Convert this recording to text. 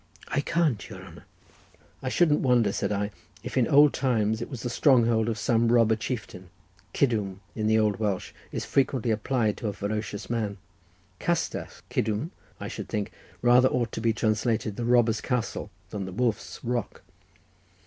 "I can't, your honour." "I shouldn't wonder," said I, "if in old times it was the stronghold of some robber chieftain; cidwm in the old Welsh is frequently applied to a ferocious man. Castell Cidwm, I should think, rather ought to be translated the robber's castle, than the wolf's rock.